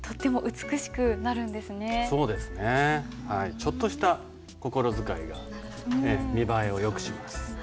ちょっとした心遣いが見栄えをよくします。